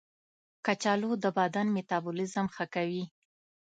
کچالو د بدن میتابولیزم ښه کوي.